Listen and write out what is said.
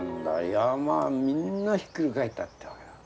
山みんなひっくり返ったってわけだ。